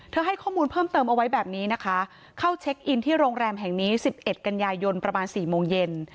ให้ข้อมูลเพิ่มเติมเอาไว้แบบนี้นะคะเข้าเช็คอินที่โรงแรมแห่งนี้๑๑กันยายนประมาณ๔โมงเย็น